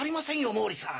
毛利さん！